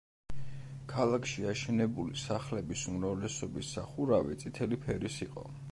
ქალაქში აშენებული სახლების უმრავლესობის სახურავი წითელი ფერის იყო.